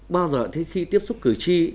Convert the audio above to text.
bao giờ khi tiếp xúc cử tri